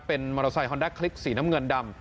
เป็นมอเตอร์ไซคอนด้าคลิกสีน้ำเงินดำ